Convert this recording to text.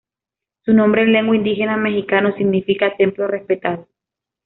Su nombre en lengua indígena mexicano significa "Templo Respetado".